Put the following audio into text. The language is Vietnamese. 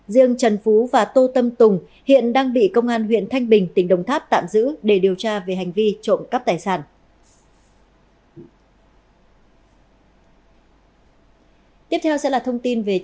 riêng trần phú và tô tâm tùng hiện đang bị công an huyện thanh bình tỉnh đồng tháp tạm giữ để điều tra về hành vi trộm cắp tài sản